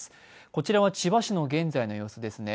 こちらは千葉市の現在の様子ですね。